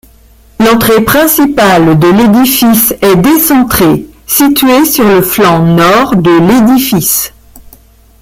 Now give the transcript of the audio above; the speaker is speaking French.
L'entrée principale de l'édifice est décentrée, située sur le flanc nord de l'édifice.